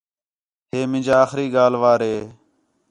ہے مینجا آخری ڳالھ وار ہے